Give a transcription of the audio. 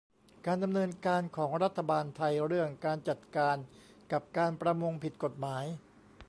การดำเนินการของรัฐบาลไทยเรื่องการจัดการกับการประมงผิดกฎหมาย